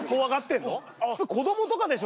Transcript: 普通子どもとかでしょ？